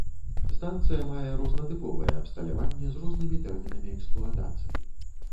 Станцыя мае рознатыповае абсталяванне з рознымі тэрмінамі эксплуатацыі.